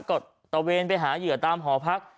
ก็ตะเวนไปหาเหยื่อตามหอพัก